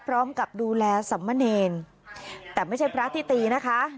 พร้อมกับดูแลสัมมะเนรแต่ไม่ใช่พระที่ตีนะคะ